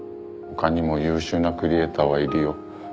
他にも優秀なクリエイターはいるよ。